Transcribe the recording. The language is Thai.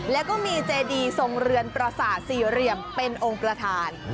แล้วก็มีเจดีทรงเรือนประสาทสี่เหลี่ยมเป็นองค์ประธาน